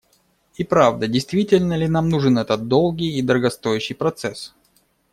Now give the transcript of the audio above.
И правда, действительно ли нам нужен этот долгий и дорогостоящий процесс?